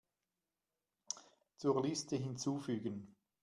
Zur Liste hinzufügen.